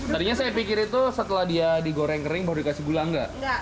tadinya saya pikir itu setelah dia digoreng kering baru dikasih gula enggak